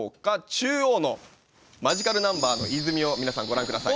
中央のマジカルナンバーの泉を皆さんご覧下さい。